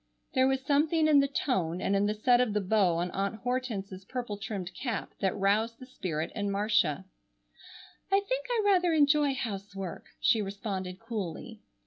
There was something in the tone, and in the set of the bow on Aunt Hortense's purple trimmed cap that roused the spirit in Marcia. "I think I rather enjoy housework," she responded coolly.